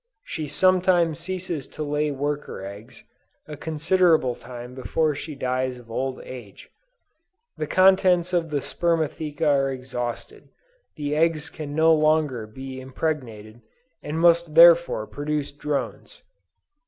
She sometimes ceases to lay Worker eggs, a considerable time before she dies of old age; the contents of the spermatheca are exhausted; the eggs can no longer be impregnated and must therefore produce drones.